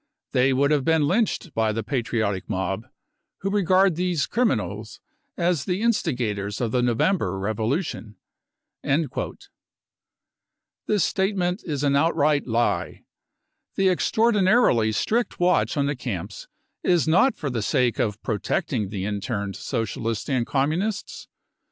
They would have been lynched by the patriotic mob, who regard these c criminals 5 as the instigators of the November revolution. 55 This statement is an outright lie. The extraordinarily strict watch on the camps is not for the sake of protecting the interned Socialists and Communists.